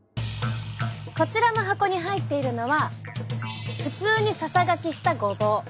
こちらの箱に入っているのは普通にささがきしたごぼう。